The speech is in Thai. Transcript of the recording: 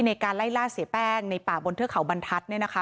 ในการไล่ล่าเสียแป้งในป่าบนเทือกเขาบรรทัศน์